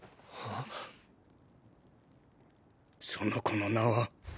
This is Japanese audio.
その子の名は。